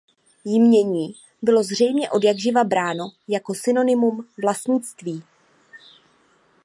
Jmění bylo zřejmě odjakživa bráno jako synonymum vlastnictví.